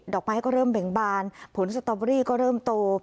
อกไม้ก็เริ่มเบ่งบานผลสตอเบอรี่ก็เริ่มโต